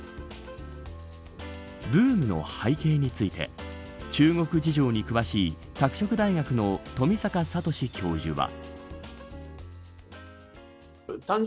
ブームの背景について中国事情に詳しい拓殖大学の富坂聰教授は。